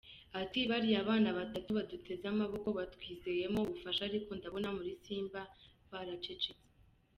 Ati « bariya bana batatu baduteze amaboko batwizeyemo ubufasha ariko ndabona muri Simba baracecetse.